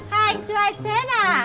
hai anh chưa ai chết à